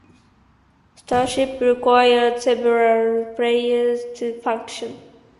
Starships require several players to function.